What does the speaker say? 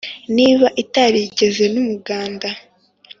niba itarigeze n'umuganda